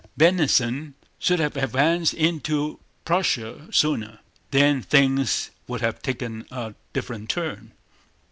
"Bennigsen should have advanced into Prussia sooner, then things would have taken a different turn..."